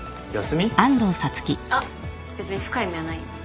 あっ別に深い意味はないよ。